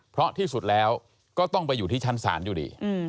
เพราะที่สุดแล้วก็ต้องไปอยู่ที่ชั้นศาลอยู่ดี